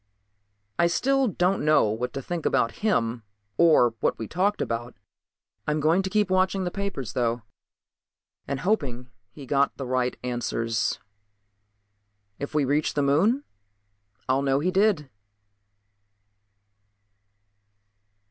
I still don't know what to think about him or what we talked about. I'm going to keep watching the papers though, and hoping he got the right answers. If we reach the Moon I'll know he did....